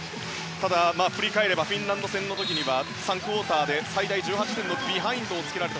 ただ、振り返ればフィンランド戦の時には３クオーターで最大１８点のビハインドをつけられた。